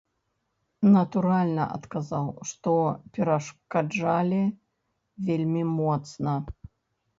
Натуральна, адказаў, што перашкаджалі вельмі моцна.